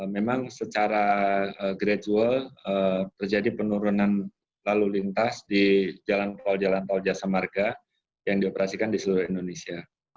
memang secara gradual terjadi penurunan lalu lintas di jalan tol jalan tol jasa marga yang dioperasikan di seluruh indonesia